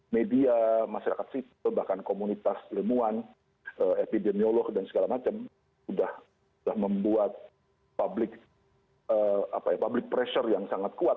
media masyarakat sipil bahkan komunitas ilmuwan epidemiolog dan segala macam sudah membuat public pressure yang sangat kuat